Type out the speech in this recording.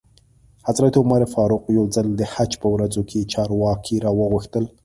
حضرت عمر فاروق یو ځل د حج په ورځو کې چارواکي را وغوښتل.